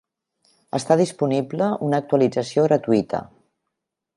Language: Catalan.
Està disponible una actualització gratuïta.